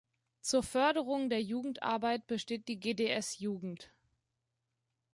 Zur Förderung der Jugendarbeit besteht die GdS-Jugend.